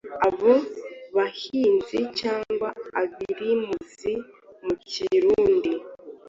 Abo bahinzi cyangwa abirimizi mu Kirundi